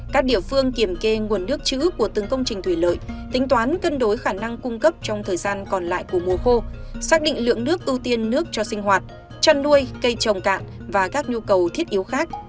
các địa phương kiểm kê nguồn nước chữ của từng công trình thủy lợi tính toán cân đối khả năng cung cấp trong thời gian còn lại của mùa khô xác định lượng nước ưu tiên nước cho sinh hoạt chăn nuôi cây trồng cạn và các nhu cầu thiết yếu khác